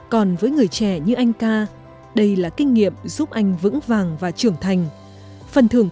còn với người trẻ như anh ca đây là kinh nghiệm giúp anh vững vàng và trưởng thành phần thưởng